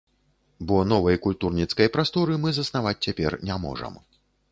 Бо новай культурніцкай прасторы мы заснаваць цяпер не можам.